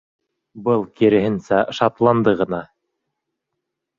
Был, киреһенсә, шатланды ғына.